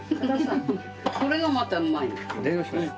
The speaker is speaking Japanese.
それがまたうまいんだ。